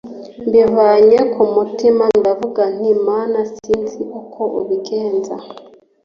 mbivanye ku mutima ndavuga nti Mana sinzi uko ubigenza